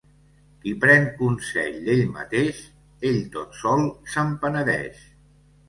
Qui pren consell d'ell mateix, ell tot sol se'n penedeix.